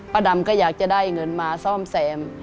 ดำก็อยากจะได้เงินมาซ่อมแซม